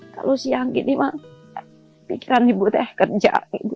kalau siang gini mah pikiran ibu teh kerja